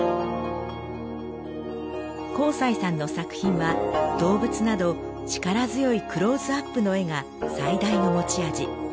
幸才さんの作品は動物など力強いクローズアップの画が最大の持ち味。